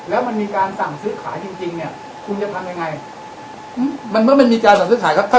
แล้วมันมีการสั่งซื้อขายจริงจริงเนี่ยคุณจะทำยังไงมันเมื่อมันมีการสั่งซื้อขายก็